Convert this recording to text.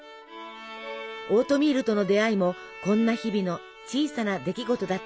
オートミールとの出会いもこんな日々の小さな出来事だったのかもしれません。